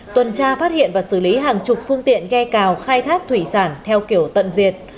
tuần tra phát hiện và xử lý hàng chục phương tiện ghe cào khai thác thủy sản theo kiểu tận diệt